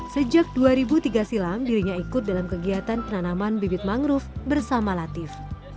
sejak dua ribu tiga silam dirinya ikut dalam kegiatan penanaman bibit mangrove bersama latif